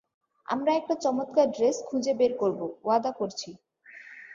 আমরা একটা চমৎকার ড্রেস খুঁজে বের করব, ওয়াদা করছি।